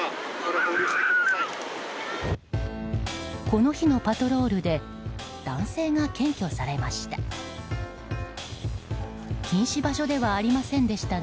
この日のパトロールで男性が検挙されました。